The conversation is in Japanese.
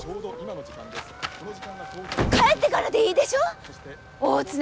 帰ってからでいいでしょう！